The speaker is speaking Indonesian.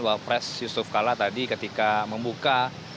wall press yusuf kalla tadi ketika membuka